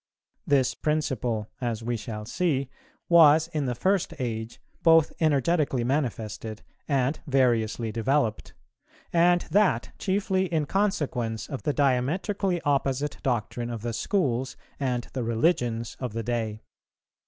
This principle, as we shall see, was in the first age both energetically manifested and variously developed; and that chiefly in consequence of the diametrically opposite doctrine of the schools and the religions of the day.